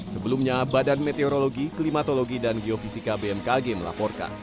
sebelumnya badan meteorologi klimatologi dan geofisika bmkg melaporkan